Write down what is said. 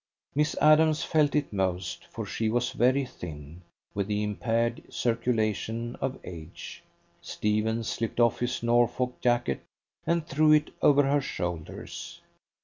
Miss Adams felt it most, for she was very thin, with the impaired circulation of age. Stephens slipped off his Norfolk jacket and threw it over her shoulders.